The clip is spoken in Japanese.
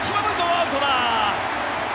アウトだ。